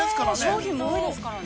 ◆商品も多いですしね。